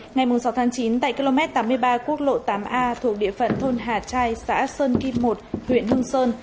ngày sáu tháng chín tại km tám mươi ba quốc lộ tám a thuộc địa phận thôn hà trai xã sơn kim một huyện hương sơn